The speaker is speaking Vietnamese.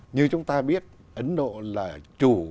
như chúng ta biết ấn độ là chủ